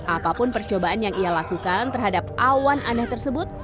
apapun percobaan yang ia lakukan terhadap awan aneh tersebut